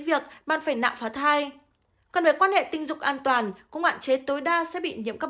việc bạn phải nạm phá thai còn về quan hệ tình dục an toàn có ngoạn chế tối đa sẽ bị nhiễm các